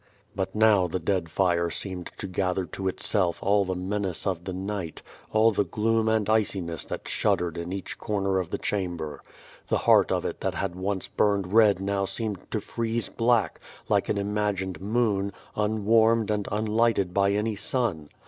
But now the dead fire seemed to gather to itself all the menace of the night, all the gloom and iciness that shuddered in each corner of the chamber. The heart of it that had once burned red now seemed to freeze black, like an imagined moon, unwarmed and unlighted by any sun.